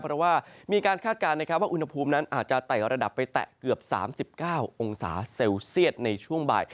เพราะว่ามีการคาดการณ์นะครับว่าอุณหภูมินั้นอาจจะไต่ระดับไปแตะเกือบ๓๙องศาเซลเซียตในช่วงบ่าย